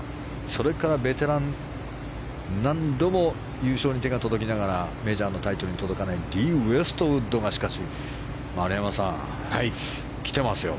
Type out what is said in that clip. それからベテラン何度も優勝に手が届きながらメジャータイトルに届かないリー・ウェストウッドが丸山さん、来てますよ。